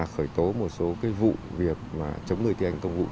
khởi tố một số vụ việc chống người thi hành công vụ